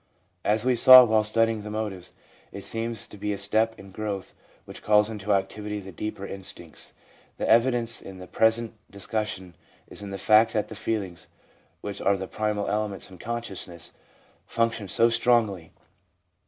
As we saw while study ing the motives, it seems to be a step in growth which calls into activity the deeper instincts. The evidence in the present discussion is in the fact that the feelings, which are the primal elements in consciousness, function so strongly.